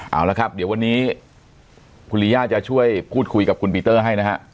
เอาละครับเดี๋ยววันนี้คุณลีย่าจะช่วยพูดคุยกับคุณปีเตอร์ให้นะฮะ